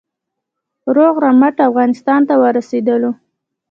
روغ رمټ افغانستان ته ورسېدلو.